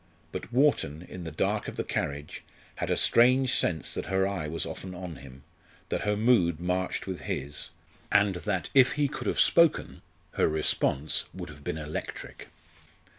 But Wharton, in the dark of the carriage, had a strange sense that her eye was often on him, that her mood marched with his, and that if he could have spoken her response would have been electric.